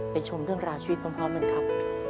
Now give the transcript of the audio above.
ไปชมเรื่องราชีวิตความพร้อมกันครับ